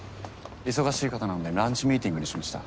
忙しい方なのでランチミーティングにしました。